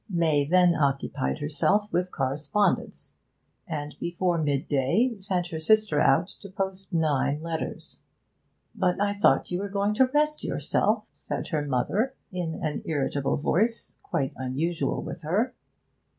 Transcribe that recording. May then occupied herself with correspondence, and before midday sent her sister out to post nine letters. 'But I thought you were going to rest yourself?' said her mother, in an irritable voice quite unusual with her.